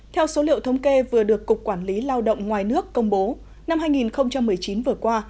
theo số liệu thống kê vừa được cục quản lý lao động ngoài nước công bố năm hai nghìn một mươi chín vừa qua